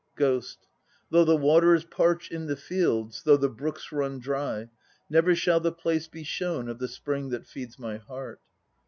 GHOST. "Though the waters parch in the fields Though the brooks run dry, Never shall the place be shown Of the spring that feeds my heart."